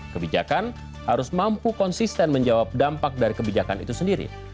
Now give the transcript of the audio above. kebijakan harus mampu konsisten menjawab dampak dari kebijakan itu sendiri